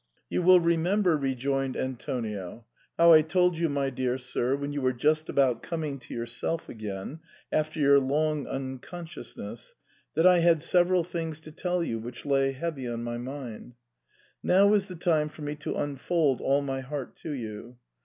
"You will remember," rejoined Antonio, "how I told you, my dear sir, when you were just about com ing to yourself again after your long unconsciousness, that I had several things to tell you which lay heavy on my mind. Now is the time for me to unfold all my heart to you.